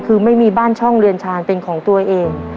คือไม่มีบ้านช่องเรือนชาญเป็นของตัวเอง